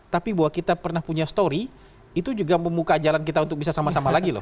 tapi bahwa kita pernah punya story itu juga membuka jalan kita untuk bisa sama sama lagi loh